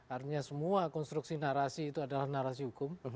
artinya semua konstruksi narasi itu adalah narasi hukum